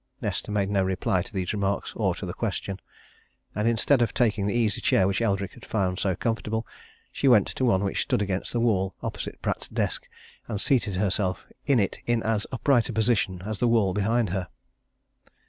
Nesta made no reply to these remarks, or to the question. And instead of taking the easy chair which Eldrick had found so comfortable, she went to one which stood against the wall opposite Pratt's desk and seated herself in it in as upright a position as the wall behind her.